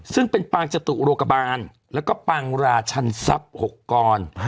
ซึ่งเป็นปางจตุโรคบาลแล้วก็ปางราชันทรัพย์๖กร